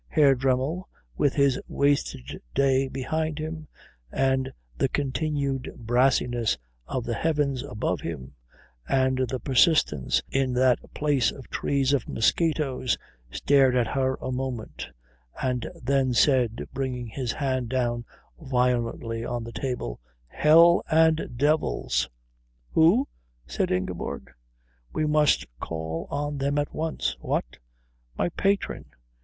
Herr Dremmel, with his wasted day behind him, and the continued brassiness of the heavens above him, and the persistence in that place of trees of mosquitoes, stared at her a moment and then said, bringing his hand down violently on the table, "Hell and Devils." "Who?" said Ingeborg. "We must call on them at once." "What?" "My patron.